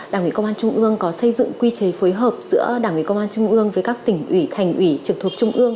đảng ủy công an trung ương có xây dựng quy chế phối hợp giữa đảng ủy công an trung ương với các tỉnh ủy thành ủy trực thuộc trung ương